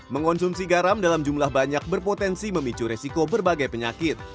mengonsumsi garam dalam jumlah banyak berpotensi memicu resiko berbagai penyakit